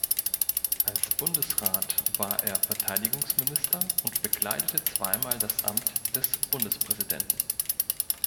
Als Bundesrat war er Verteidigungsminister und bekleidete zweimal das Amt des Bundespräsidenten.